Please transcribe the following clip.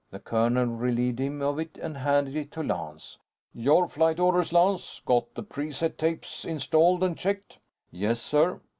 The colonel relieved him of it and handed it to Lance. "Your flight orders, Lance. Got the preset tapes installed and checked?" "Yes, sir."